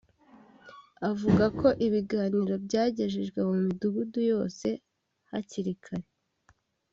Avuga ko ibiganiro byagejejwe mu midugudu yose hakiri kare